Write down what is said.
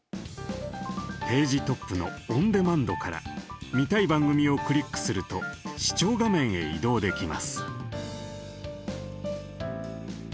ページトップのオンデマンドから見たい番組をクリックすると視聴画面へ移動できます。